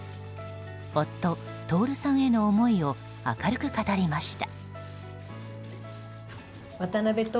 夫・徹さんへの思いを明るく語りました。